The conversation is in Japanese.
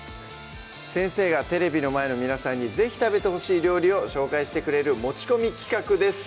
先生がテレビの前の皆さんにぜひ食べて欲しい料理を紹介してくれる持ち込み企画です